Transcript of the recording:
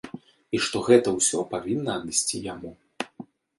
І што гэта ўсё павінна адысці яму.